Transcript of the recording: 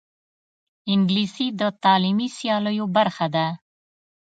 انګلیسي د تعلیمي سیالیو برخه ده